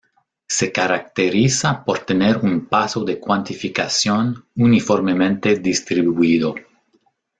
Se caracteriza por tener un paso de cuantificación uniformemente distribuido.